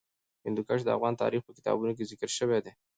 هندوکش د افغان تاریخ په کتابونو کې ذکر شوی دي.